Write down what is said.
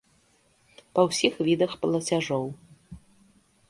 Па ўсіх відах плацяжоў.